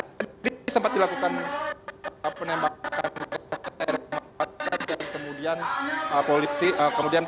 tapi sempat dilakukan penembakan